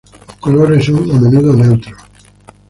Los colores son a menudo neutros.